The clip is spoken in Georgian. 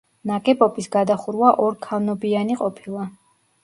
ნაგებობის გადახურვა ორქანობიანი ყოფილა.